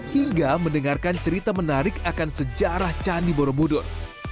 hingga mendengarkan cerita menarik akan sejarah candi borobudur